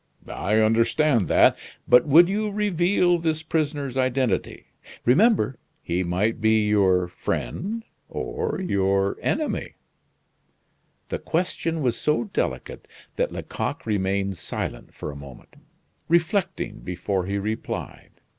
"I understand that; but would you reveal this prisoner's identity remember, he might be your friend or your enemy?" The question was so delicate that Lecoq remained silent for a moment, reflecting before he replied.